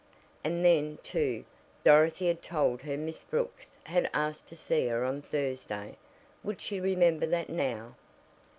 And then, too, Dorothy had told her Miss Brooks had asked to see her on Thursday. Would she remember that now?